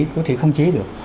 có thể không chế được